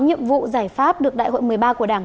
nhiệm vụ giải pháp được đại hội một mươi ba của đảng